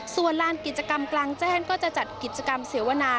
ส่วนลานกิจกรรมกลางแจ้งก็จะจัดกิจกรรมเสวนา